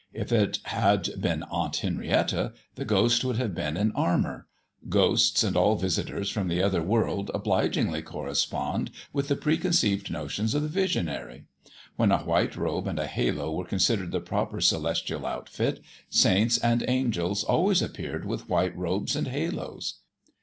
If it had been Aunt Henrietta, the ghost would have been in armour. Ghosts and all visitors from the other world obligingly correspond with the preconceived notions of the visionary. When a white robe and a halo were considered the proper celestial outfit, saints and angels always appeared with white robes and halos.